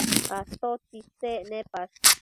atotsi isec nepash?